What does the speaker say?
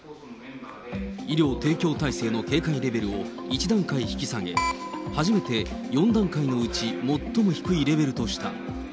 医療提供体制の警戒レベルを１段階引き下げ、初めて４段階のうち最も低いレベルとした。